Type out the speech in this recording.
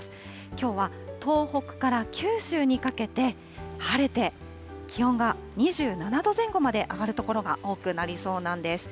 きょうは東北から九州にかけて晴れて、気温が２７度前後まで上がる所が多くなりそうなんです。